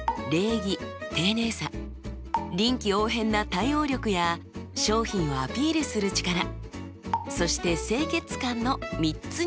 ・丁寧さ臨機応変な対応力や商品をアピールする力そして清潔感の３つになりました。